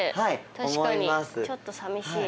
確かにちょっと寂しい。